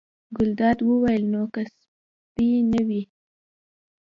ګلداد وویل: نو که سپی نه وي.